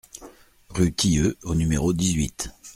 Rue Thieux au numéro dix-huit